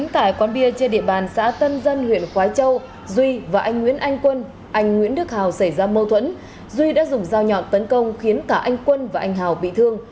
tại quán bia trên địa bàn xã tân dân huyện khói châu duy và anh nguyễn anh quân anh nguyễn đức hào xảy ra mâu thuẫn duy đã dùng dao nhọn tấn công khiến cả anh quân và anh hào bị thương